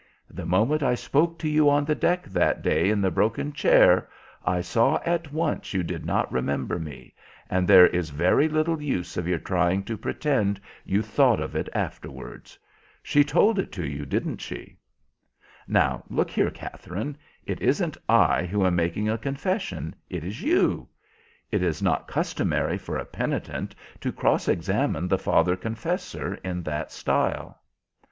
The moment I spoke to you on the deck that day in the broken chair, I saw at once you did not remember me, and there is very little use of your trying to pretend you thought of it afterwards. She told it to you, didn't she?" "Now, look here, Katherine, it isn't I who am making a confession, it is you. It is not customary for a penitent to cross examine the father confessor in that style."